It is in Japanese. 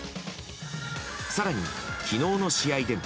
更に昨日の試合でも